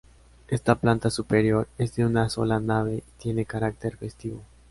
Esta planta superior es de una sola nave y tiene carácter festivo.